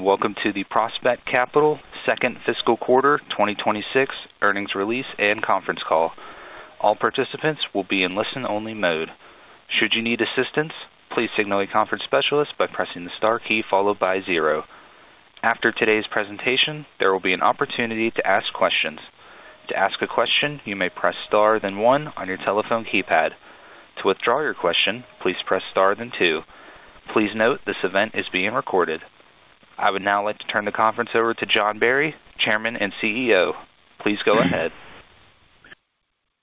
Welcome to the Prospect Capital second fiscal quarter 2026 earnings release and conference call. All participants will be in listen-only mode. Should you need assistance, please signal a conference specialist by pressing the star key followed by zero. After today's presentation, there will be an opportunity to ask questions. To ask a question, you may press star then one on your telephone keypad. To withdraw your question, please press star then two. Please note this event is being recorded. I would now like to turn the conference over to John Barry, Chairman and CEO. Please go ahead.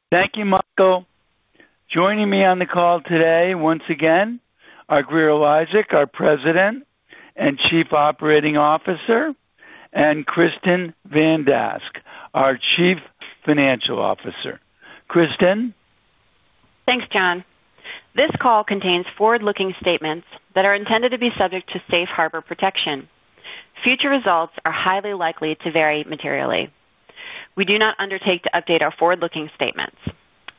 Thank you, Michael. Joining me on the call today, once again, are Grier Eliasek, our President and Chief Operating Officer, and Kristin Van Dask, our Chief Financial Officer. Kristin? Thanks, John. This call contains forward-looking statements that are intended to be subject to Safe Harbor protection. Future results are highly likely to vary materially. We do not undertake to update our forward-looking statements.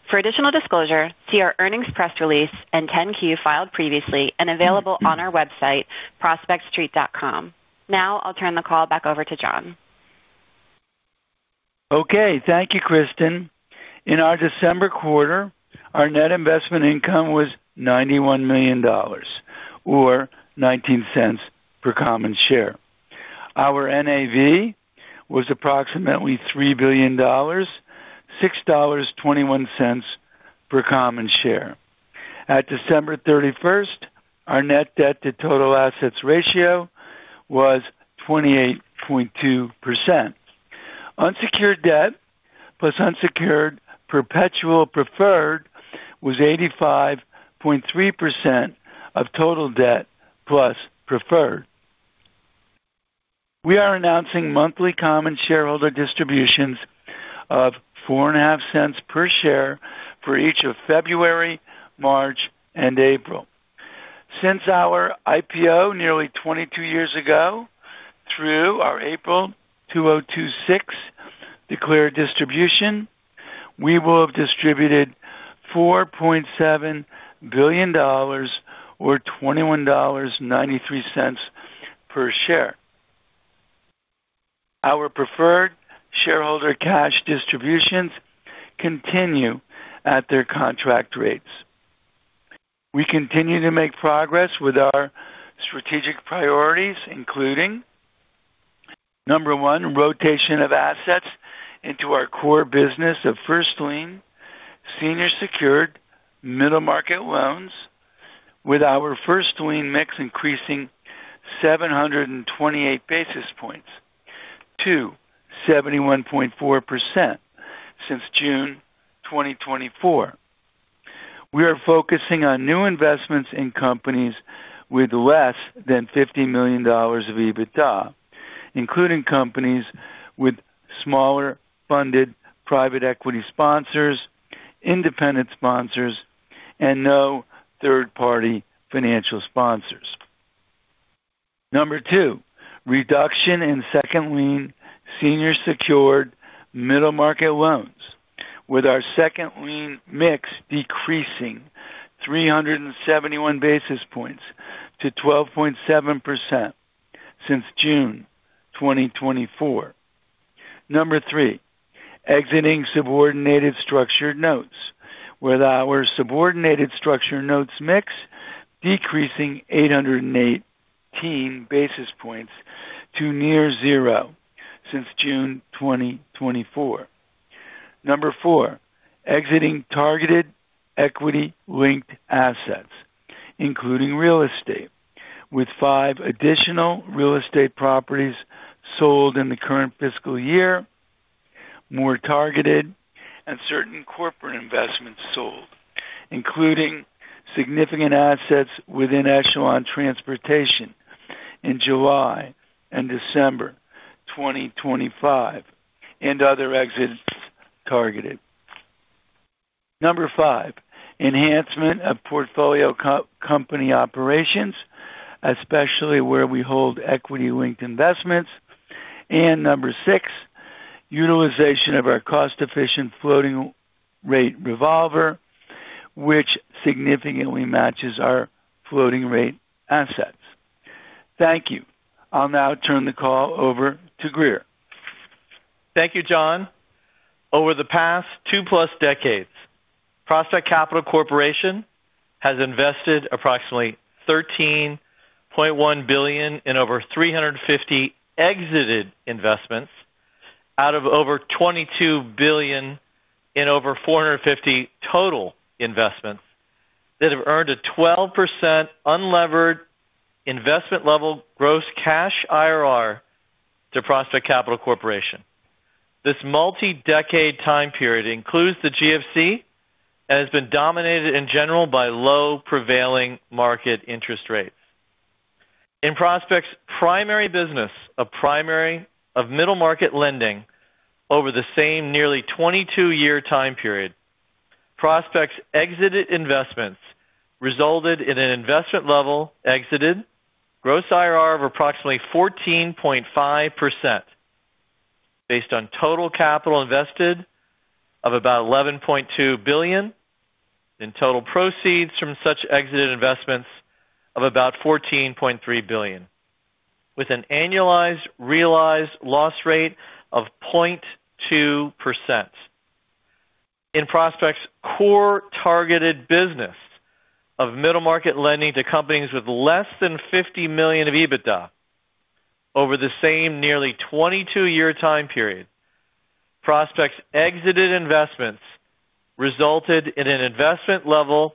For additional disclosure, see our earnings press release and 10-Q filed previously and available on our website, prospectstreet.com. Now I'll turn the call back over to John. Okay. Thank you, Kristin. In our December quarter, our net investment income was $91 million, or $0.19 per common share. Our NAV was approximately $3 billion, $6.21 per common share. At December 31st, our net debt-to-total assets ratio was 28.2%. Unsecured debt plus unsecured perpetual preferred was 85.3% of total debt plus preferred. We are announcing monthly common shareholder distributions of $0.04 per share for each of February, March, and April. Since our IPO nearly 22 years ago through our April 2026 declared distribution, we will have distributed $4.7 billion, or $21.93 per share. Our preferred shareholder cash distributions continue at their contract rates. We continue to make progress with our strategic priorities, including: Number one, rotation of assets into our core business of first lien senior secured middle market loans, with our first lien mix increasing 728 basis points. Two, 71.4% since June 2024. We are focusing on new investments in companies with less than $50 million of EBITDA, including companies with smaller funded private equity sponsors, independent sponsors, and no third-party financial sponsors. Number two, reduction in second lien senior secured, middle market loans, with our second lien mix decreasing 371 basis points to 12.7% since June 2024. Number three, exiting subordinated structured notes, with our subordinated structured notes mix decreasing 818 basis points to near zero since June 2024. Number four, exiting targeted equity-linked assets, including real estate, with five additional real estate properties sold in the current fiscal year, more targeted, and certain corporate investments sold, including significant assets within Echelon Transportation in July and December 2025 and other exits targeted. Number five, enhancement of portfolio company operations, especially where we hold equity-linked investments. Number six, utilization of our cost-efficient floating rate revolver, which significantly matches our floating rate assets. Thank you. I'll now turn the call over to Grier. Thank you, John. Over the past 2 decades+, Prospect Capital Corporation has invested approximately $13.1 billion in over 350 exited investments out of over $22 billion in over 450 total investments that have earned a 12% unlevered investment-level gross cash IRR to Prospect Capital Corporation. This multi-decade time period includes the GFC and has been dominated, in general, by low prevailing market interest rates. In Prospect's primary business of middle market lending over the same nearly 22-year time period, Prospect's exited investments resulted in an investment-level exited gross IRR of approximately 14.5% based on total capital invested of about $11.2 billion and total proceeds from such exited investments of about $14.3 billion, with an annualized realized loss rate of 0.2%. In Prospect's core targeted business of middle market lending to companies with less than $50 million of EBITDA over the same nearly 22-year time period, Prospect's exited investments resulted in an investment-level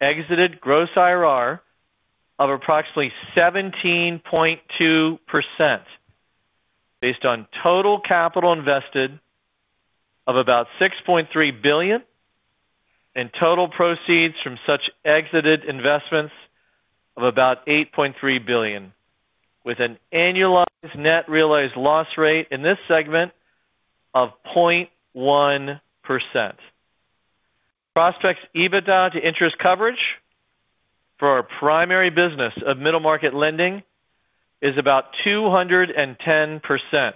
exited gross IRR of approximately 17.2% based on total capital invested of about $6.3 billion and total proceeds from such exited investments of about $8.3 billion, with an annualized net realized loss rate in this segment of 0.1%. Prospect's EBITDA to interest coverage for our primary business of middle market lending is about 210%,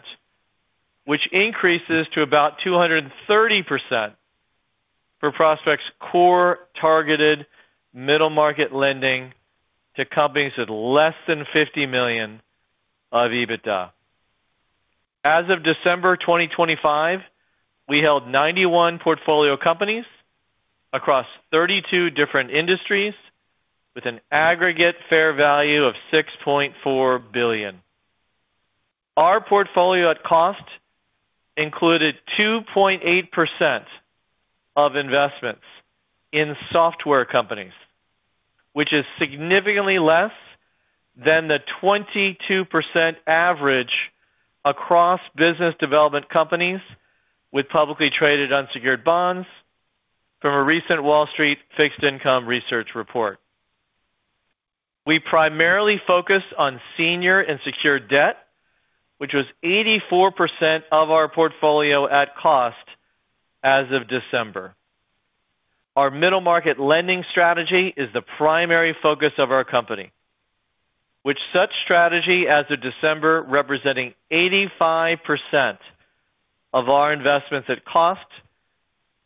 which increases to about 230% for Prospect's core targeted middle market lending to companies with less than $50 million of EBITDA. As of December 2025, we held 91 portfolio companies across 32 different industries with an aggregate fair value of $6.4 billion. Our portfolio at cost included 2.8% of investments in software companies, which is significantly less than the 22% average across business development companies with publicly traded unsecured bonds from a recent Wall Street fixed income research report. We primarily focus on senior unsecured debt, which was 84% of our portfolio at cost as of December. Our middle market lending strategy is the primary focus of our company, with such strategy as of December representing 85% of our investments at cost,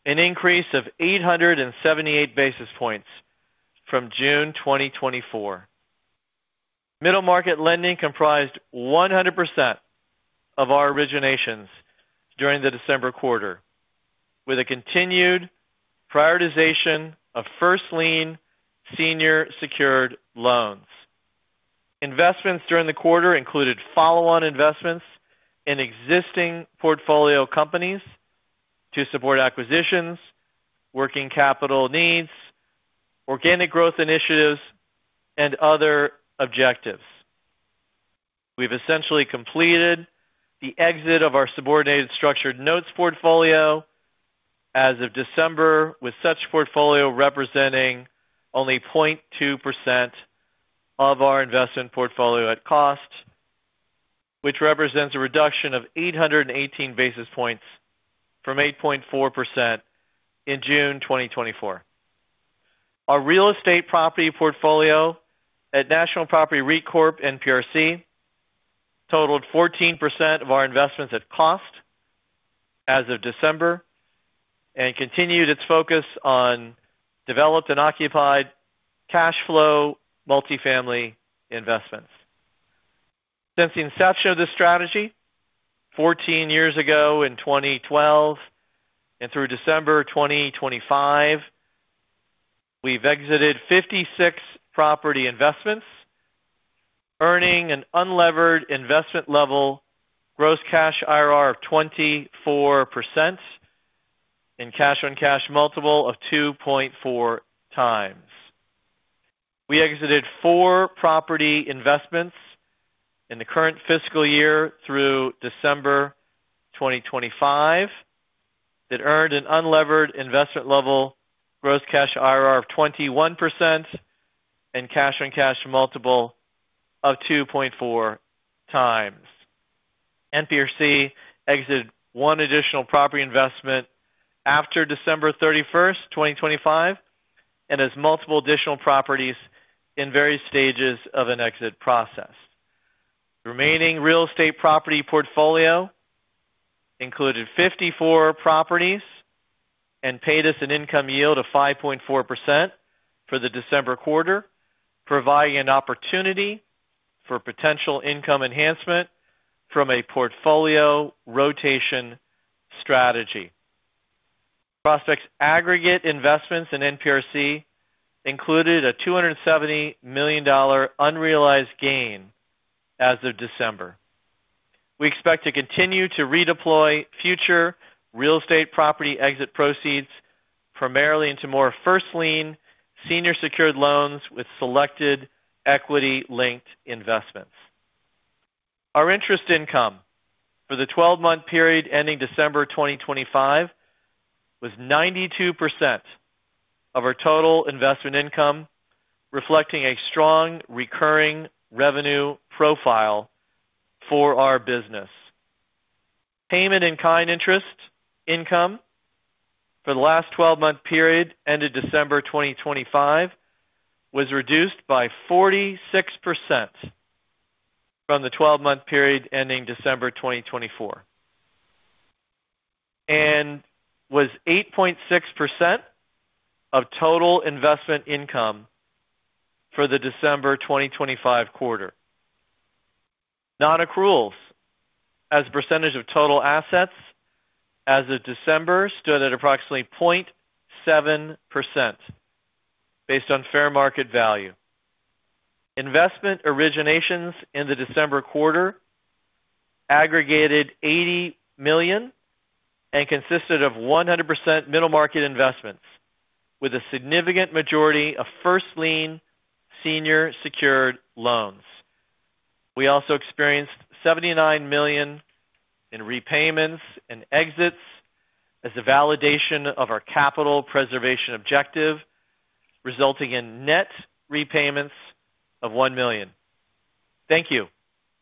an increase of 878 basis points from June 2024. Middle market lending comprised 100% of our originations during the December quarter, with a continued prioritization of first lien senior secured loans. Investments during the quarter included follow-on investments in existing portfolio companies to support acquisitions, working capital needs, organic growth initiatives, and other objectives. We've essentially completed the exit of our subordinated structured notes portfolio as of December, with such portfolio representing only 0.2% of our investment portfolio at cost, which represents a reduction of 818 basis points from 8.4% in June 2024. Our real estate property portfolio at National Property REIT Corp., NPRC, totaled 14% of our investments at cost as of December and continued its focus on developed and occupied cash flow multifamily investments. Since the inception of this strategy, 14 years ago in 2012 and through December 2025, we've exited 56 property investments, earning an unlevered investment-level gross cash IRR of 24% and cash-on-cash multiple of 2.4x. We exited four property investments in the current fiscal year through December 2025 that earned an unlevered investment-level gross cash IRR of 21% and cash-on-cash multiple of 2.4x. NPRC exited one additional property investment after December 31st, 2025, and has multiple additional properties in various stages of an exit process. The remaining real estate property portfolio included 54 properties and paid us an income yield of 5.4% for the December quarter, providing an opportunity for potential income enhancement from a portfolio rotation strategy. Prospect's aggregate investments in NPRC included a $270 million unrealized gain as of December. We expect to continue to redeploy future real estate property exit proceeds primarily into more first lien senior secured loans with selected equity-linked investments. Our interest income for the 12-month period ending December 2025 was 92% of our total investment income, reflecting a strong recurring revenue profile for our business. Payment-in-kind interest income for the last 12-month period ending December 2025 was reduced by 46% from the 12-month period ending December 2024 and was 8.6% of total investment income for the December 2025 quarter. Non-accruals as a percentage of total assets as of December stood at approximately 0.7% based on fair market value. Investment originations in the December quarter aggregated $80 million and consisted of 100% middle market investments, with a significant majority of first lien senior secured loans. We also experienced $79 million in repayments and exits as a validation of our capital preservation objective, resulting in net repayments of $1 million. Thank you.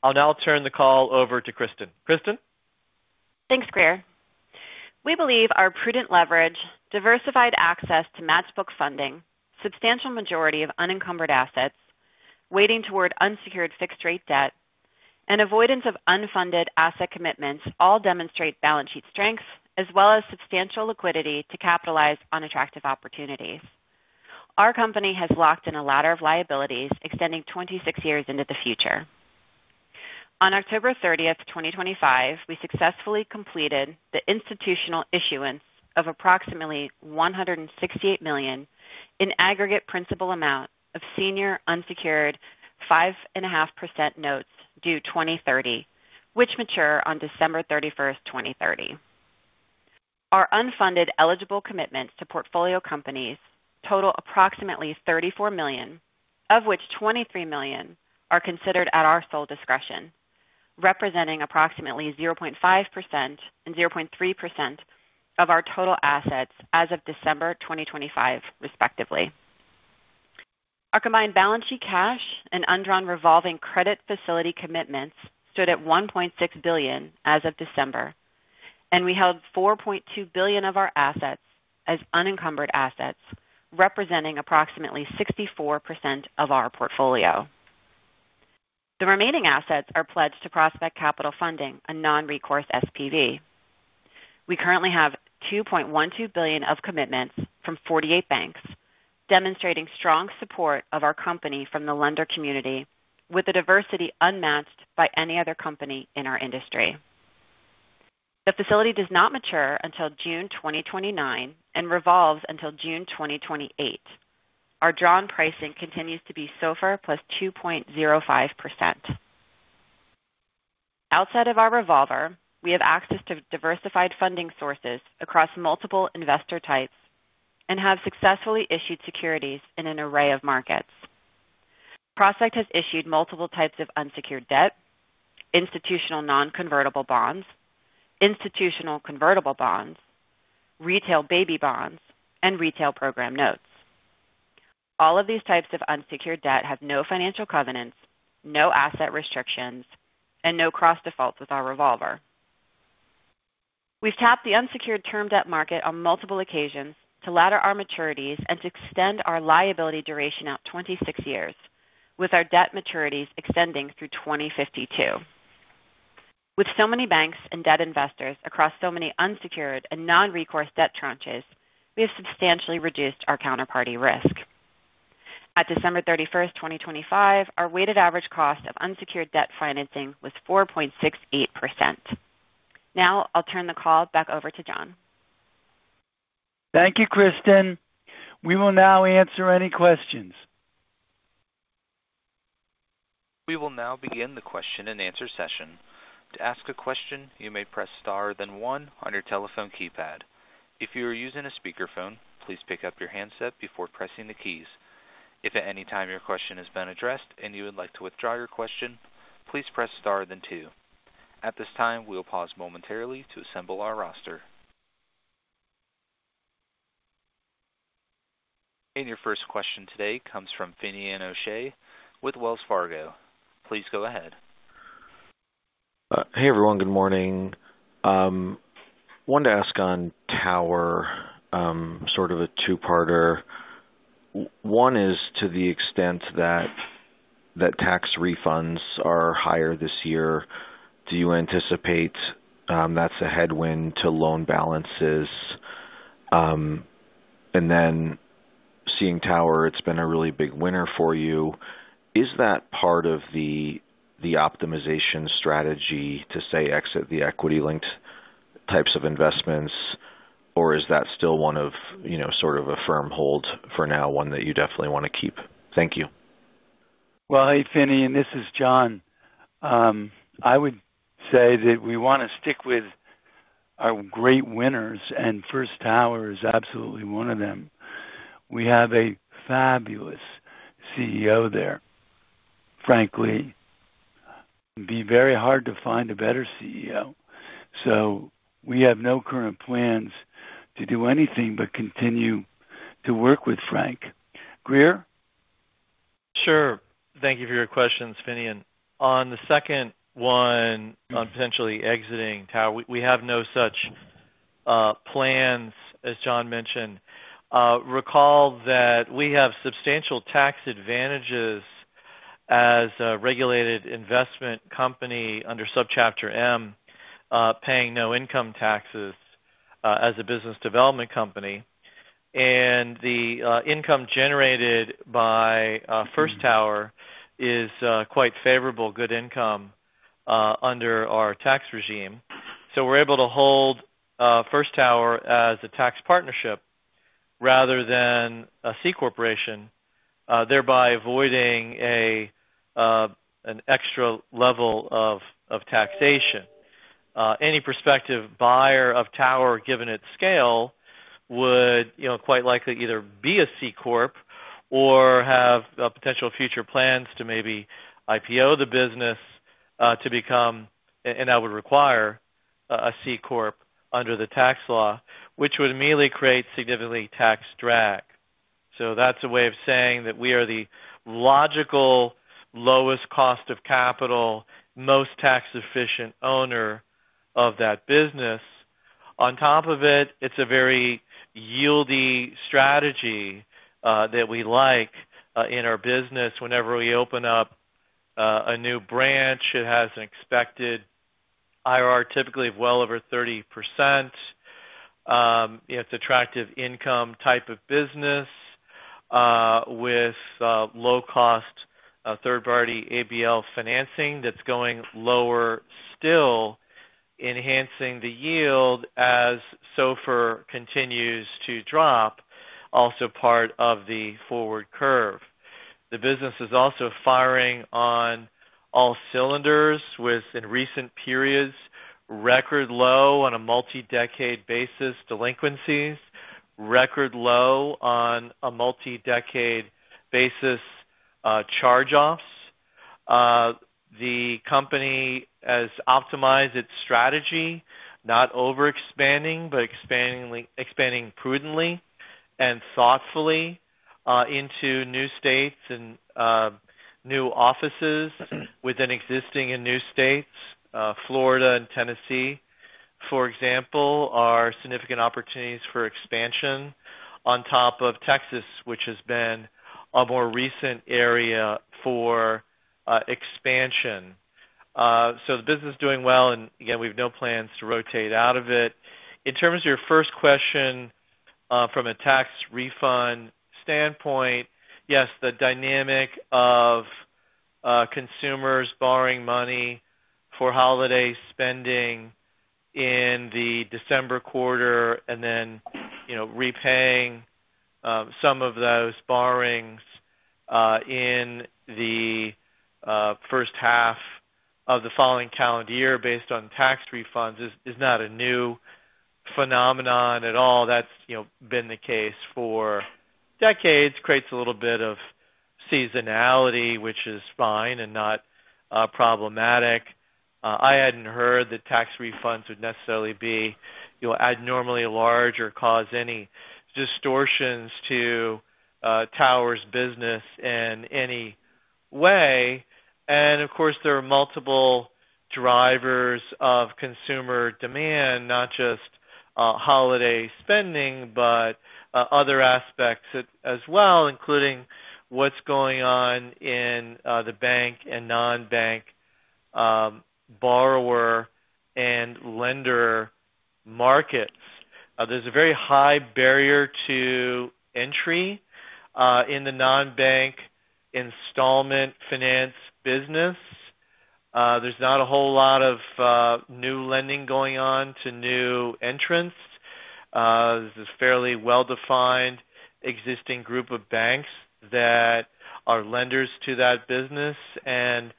I'll now turn the call over to Kristin. Kristin? Thanks, Grier. We believe our prudent leverage, diversified access to matched book funding, substantial majority of unencumbered assets weighting toward unsecured fixed-rate debt, and avoidance of unfunded asset commitments all demonstrate balance sheet strength as well as substantial liquidity to capitalize on attractive opportunities. Our company has locked in a ladder of liabilities extending 26 years into the future. On October 30th, 2025, we successfully completed the institutional issuance of approximately $168 million in aggregate principal amount of senior unsecured 5.5% notes due 2030, which mature on December 31st, 2030. Our unfunded eligible commitments to portfolio companies total approximately $34 million, of which $23 million are considered at our sole discretion, representing approximately 0.5% and 0.3% of our total assets as of December 2025, respectively. Our combined balance sheet cash and undrawn revolving credit facility commitments stood at $1.6 billion as of December, and we held $4.2 billion of our assets as unencumbered assets, representing approximately 64% of our portfolio. The remaining assets are pledged to Prospect Capital Funding, a non-recourse SPV. We currently have $2.12 billion of commitments from 48 banks, demonstrating strong support of our company from the lender community, with a diversity unmatched by any other company in our industry. The facility does not mature until June 2029 and revolves until June 2028. Our drawn pricing continues to be SOFR+ 2.05%. Outside of our revolver, we have access to diversified funding sources across multiple investor types and have successfully issued securities in an array of markets. Prospect has issued multiple types of unsecured debt: institutional non-convertible bonds, institutional convertible bonds, retail baby bonds, and retail program notes. All of these types of unsecured debt have no financial covenants, no asset restrictions, and no cross-defaults with our revolver. We've tapped the unsecured term debt market on multiple occasions to ladder our maturities and to extend our liability duration out 26 years, with our debt maturities extending through 2052. With so many banks and debt investors across so many unsecured and non-recourse debt tranches, we have substantially reduced our counterparty risk. At December 31st, 2025, our weighted average cost of unsecured debt financing was 4.68%. Now I'll turn the call back over to John. Thank you, Kristin. We will now answer any questions. We will now begin the question and answer session. To ask a question, you may press star, then one on your telephone keypad. If you are using a speakerphone, please pick up your handset before pressing the keys. If at any time your question has been addressed and you would like to withdraw your question, please press star, then two. At this time, we will pause momentarily to assemble our roster. Your first question today comes from Finian O'Shea with Wells Fargo. Please go ahead. Hey, everyone. Good morning. Wanted to ask on Tower, sort of a two-parter. Part one is to the extent that tax refunds are higher this year, do you anticipate that's a headwind to loan balances? And then seeing Tower, it's been a really big winner for you. Is that part of the optimization strategy to, say, exit the equity-linked types of investments, or is that still one of, you know, sort of a firm hold for now, one that you definitely want to keep? Thank you. Well, hey, Finian, and this is John. I would say that we want to stick with our great winners, and First Tower is absolutely one of them. We have a fabulous CEO there. Frankly, it'd be very hard to find a better CEO. So we have no current plans to do anything but continue to work with Frank. Grier? Sure. Thank you for your questions, Finian. And on the second one, on potentially exiting Tower, we have no such plans, as John mentioned. Recall that we have substantial tax advantages as a regulated investment company under Subchapter M, paying no income taxes, as a business development company. And the income generated by First Tower is quite favorable, good income, under our tax regime. So we're able to hold First Tower as a tax partnership rather than a C Corporation, thereby avoiding an extra level of taxation. Any prospective buyer of Tower, given its scale, would, you know, quite likely either be a C Corp or have potential future plans to maybe IPO the business, to become a-and that would require a C Corp under the tax law, which would immediately create significantly tax drag. So that's a way of saying that we are the logical lowest cost of capital, most tax-efficient owner of that business. On top of it, it's a very yieldy strategy that we like in our business. Whenever we open up a new branch, it has an expected IRR typically of well over 30%. You know, it's attractive income type of business with low-cost, third-party ABL financing that's going lower still, enhancing the yield as SOFR continues to drop, also part of the forward curve. The business is also firing on all cylinders with in recent periods record low on a multi-decade basis delinquencies, record low on a multi-decade basis charge-offs. The company has optimized its strategy, not overexpanding but expandingly expanding prudently and thoughtfully, into new states and new offices within existing and new states. Florida and Tennessee, for example, are significant opportunities for expansion on top of Texas, which has been a more recent area for expansion. So the business is doing well, and again, we have no plans to rotate out of it. In terms of your first question, from a tax refund standpoint, yes, the dynamic of consumers borrowing money for holiday spending in the December quarter and then, you know, repaying some of those borrowings in the first half of the following calendar year based on tax refunds is, is not a new phenomenon at all. That's, you know, been the case for decades. Creates a little bit of seasonality, which is fine and not problematic. I hadn't heard that tax refunds would necessarily be, you know, abnormally large or cause any distortions to Tower's business in any way. And of course, there are multiple drivers of consumer demand, not just holiday spending but other aspects as well, including what's going on in the bank and non-bank borrower and lender markets. There's a very high barrier to entry in the non-bank installment finance business. There's not a whole lot of new lending going on to new entrants. This is a fairly well-defined existing group of banks that are lenders to that business and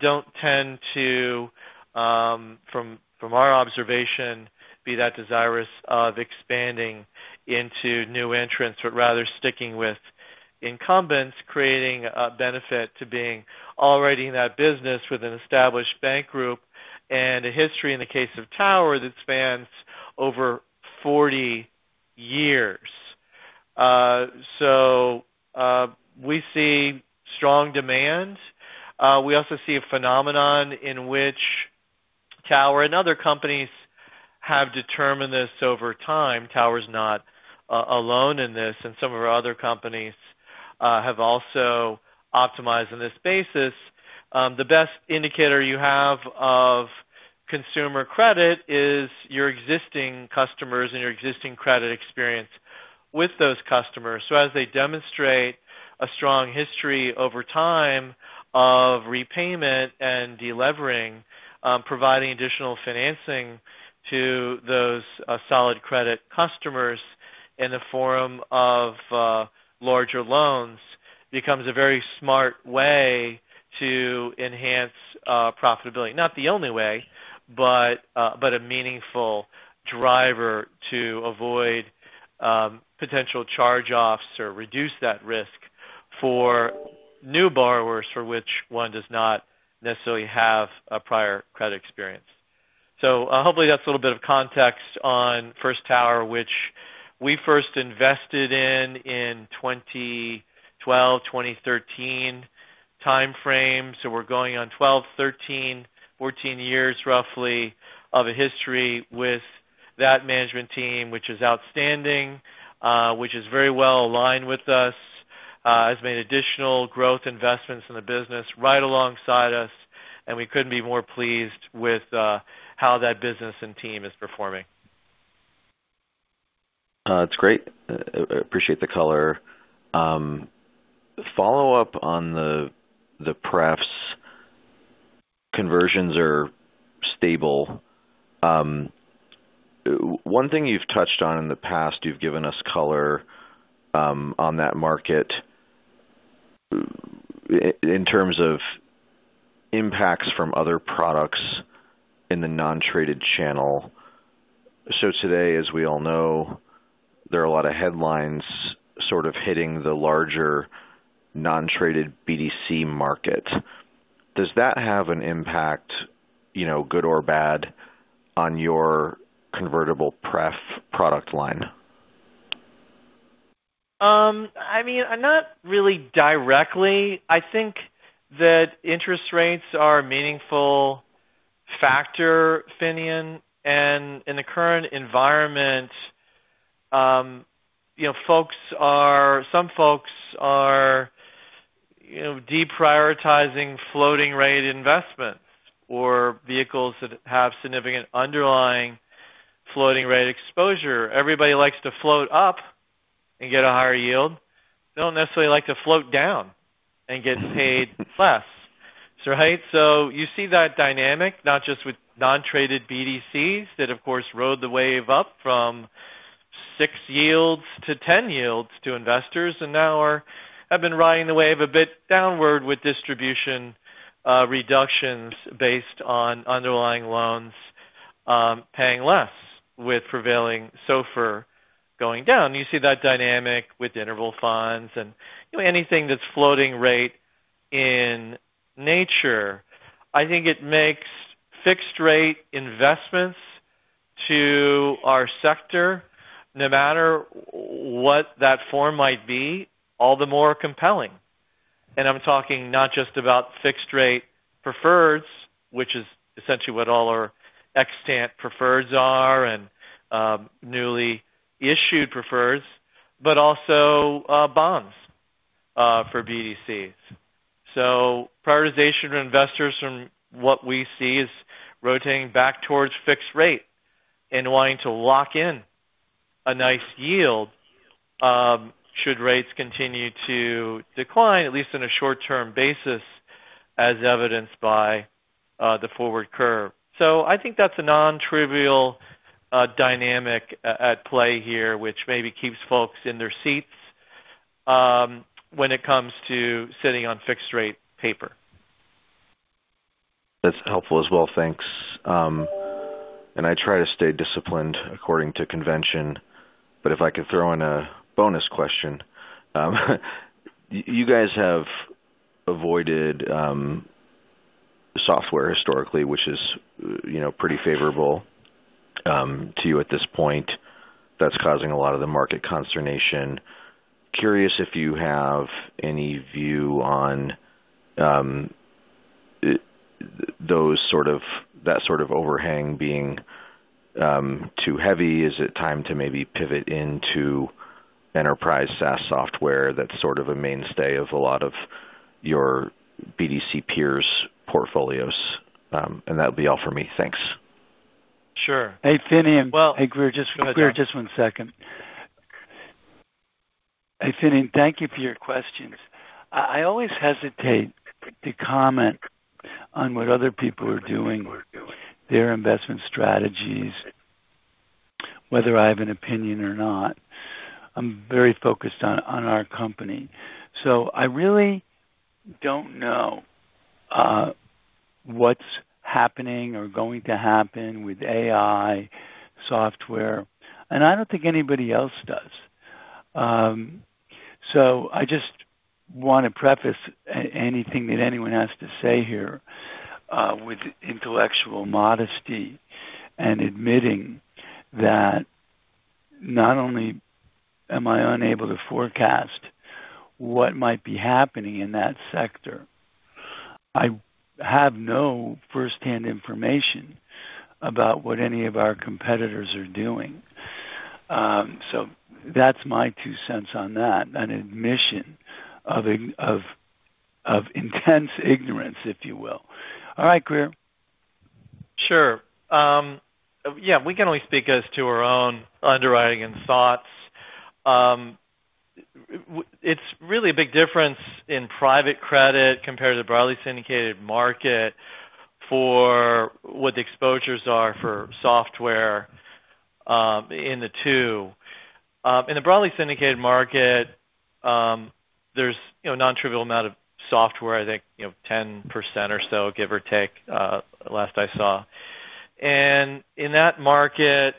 don't tend to, from our observation, be that desirous of expanding into new entrants but rather sticking with incumbents, creating a benefit to being already in that business with an established bank group and a history in the case of Tower that spans over 40 years. So, we see strong demand. We also see a phenomenon in which Tower and other companies have determined this over time. Tower's not alone in this, and some of our other companies have also optimized on this basis. The best indicator you have of consumer credit is your existing customers and your existing credit experience with those customers. So as they demonstrate a strong history over time of repayment and delevering, providing additional financing to those solid credit customers in the form of larger loans becomes a very smart way to enhance profitability. Not the only way, but a meaningful driver to avoid potential charge-offs or reduce that risk for new borrowers for which one does not necessarily have a prior credit experience. So, hopefully, that's a little bit of context on First Tower, which we first invested in in 2012, 2013 timeframe. We're going on 12 years, 13 years, 14 years roughly of a history with that management team, which is outstanding, which is very well aligned with us, has made additional growth investments in the business right alongside us, and we couldn't be more pleased with how that business and team is performing. It's great. I appreciate the color. Follow-up on the preps. Conversions are stable. One thing you've touched on in the past, you've given us color on that market, in terms of impacts from other products in the non-traded channel. So today, as we all know, there are a lot of headlines sort of hitting the larger non-traded BDC market. Does that have an impact, you know, good or bad, on your convertible prep product line? I mean, not really directly. I think that interest rates are a meaningful factor, Finian. And in the current environment, you know, some folks are, you know, deprioritizing floating-rate investments or vehicles that have significant underlying floating-rate exposure. Everybody likes to float up and get a higher yield. They don't necessarily like to float down and get paid less. Right? So you see that dynamic, not just with non-traded BDCs that, of course, rode the wave up from 6 yields to 10 yields to investors and now have been riding the wave a bit downward with distribution reductions based on underlying loans, paying less with prevailing SOFR going down. You see that dynamic with interval funds and, you know, anything that's floating rate in nature. I think it makes fixed-rate investments to our sector, no matter what that form might be, all the more compelling. I'm talking not just about fixed-rate preferreds, which is essentially what all our extant preferreds are and newly issued preferreds, but also bonds for BDCs. Prioritization of investors from what we see is rotating back towards fixed rate and wanting to lock in a nice yield, should rates continue to decline, at least on a short-term basis, as evidenced by the forward curve. I think that's a non-trivial dynamic at play here, which maybe keeps folks in their seats when it comes to sitting on fixed-rate paper. That's helpful as well. Thanks. I try to stay disciplined according to convention. But if I could throw in a bonus question, you guys have avoided software historically, which is, you know, pretty favorable to you at this point. That's causing a lot of the market consternation. Curious if you have any view on those sort of that sort of overhang being too heavy. Is it time to maybe pivot into enterprise SaaS software that's sort of a mainstay of a lot of your BDC peers' portfolios? And that'll be all from me. Thanks. Sure. Hey, Finney. Well. Hey, Grier, just one second. Hey, Finian, thank you for your questions. I always hesitate to comment on what other people are doing, their investment strategies, whether I have an opinion or not. I'm very focused on our company. So I really don't know what's happening or going to happen with AI software. And I don't think anybody else does. So I just want to preface anything that anyone has to say here with intellectual modesty and admitting that not only am I unable to forecast what might be happening in that sector, I have no firsthand information about what any of our competitors are doing. So that's my two cents on that, an admission of intense ignorance, if you will. All right, Grier. Sure. Yeah, we can only speak as to our own underwriting and thoughts. It's really a big difference in private credit compared to the broadly syndicated market for what the exposures are for software in the two. In the broadly syndicated market, there's, you know, a non-trivial amount of software, I think, you know, 10% or so, give or take, last I saw. In that market,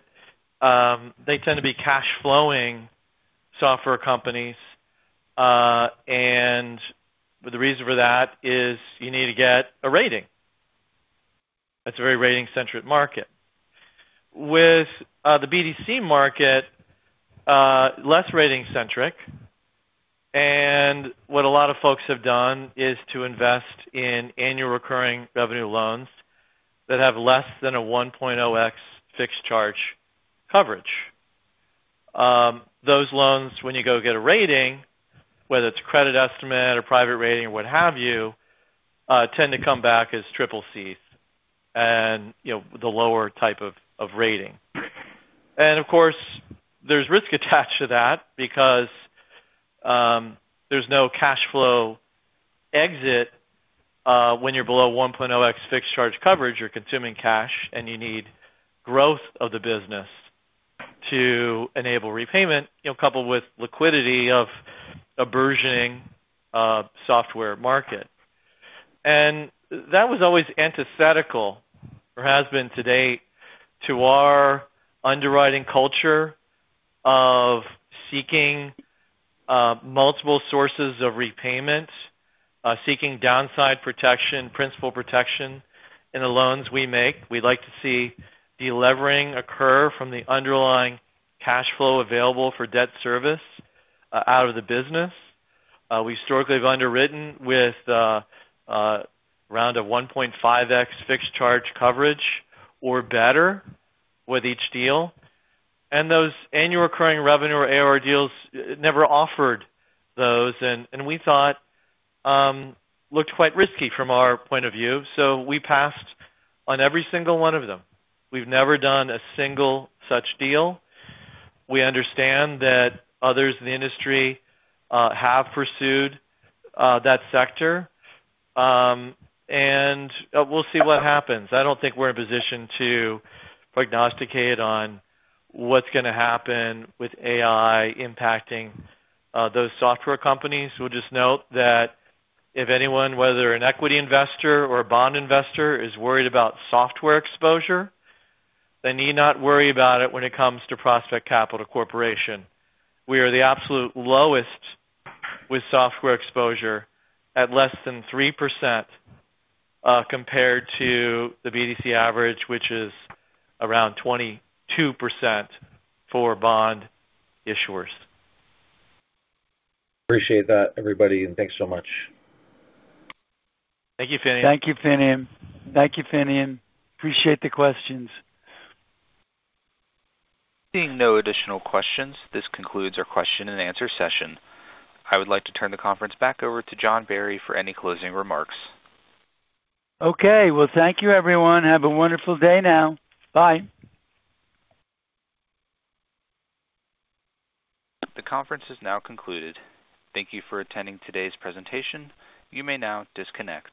they tend to be cash-flowing software companies. The reason for that is you need to get a rating. It's a very rating-centric market. With the BDC market, less rating-centric. What a lot of folks have done is to invest in annual recurring revenue loans that have less than a 1.0x fixed charge coverage. Those loans, when you go get a rating, whether it's credit estimate or private rating or what have you, tend to come back as CCCs and, you know, the lower type of rating. And of course, there's risk attached to that because, there's no cash flow exit, when you're below 1.0x fixed charge coverage. You're consuming cash, and you need growth of the business to enable repayment, you know, coupled with liquidity of a burgeoning software market. And that was always antithetical or has been to date to our underwriting culture of seeking multiple sources of repayment, seeking downside protection, principal protection in the loans we make. We'd like to see delevering occur from the underlying cash flow available for debt service, out of the business. We historically have underwritten with around a 1.5x fixed charge coverage or better with each deal. And those annual recurring revenue or ARR deals never offered those. And we thought looked quite risky from our point of view. So we passed on every single one of them. We've never done a single such deal. We understand that others in the industry have pursued that sector. And we'll see what happens. I don't think we're in position to prognosticate on what's going to happen with AI impacting those software companies. We'll just note that if anyone, whether an equity investor or a bond investor, is worried about software exposure, they need not worry about it when it comes to Prospect Capital Corporation. We are the absolute lowest with software exposure at less than 3%, compared to the BDC average, which is around 22% for bond issuers. Appreciate that, everybody. Thanks so much. Thank you, Finian. Thank you, Finian. Thank you, Finian. Appreciate the questions. Seeing no additional questions, this concludes our question-and-answer session. I would like to turn the conference back over to John Barry for any closing remarks. Okay. Well, thank you, everyone. Have a wonderful day now. Bye. The conference is now concluded. Thank you for attending today's presentation. You may now disconnect.